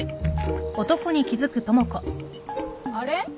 あれ？